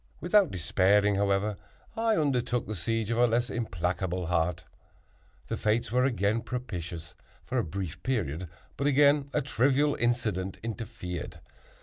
Without despairing, however, I undertook the siege of a less implacable heart. The fates were again propitious for a brief period; but again a trivial incident interfered.